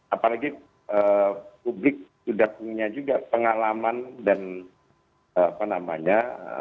apalagi publik sudah punya juga pengalaman dan apa namanya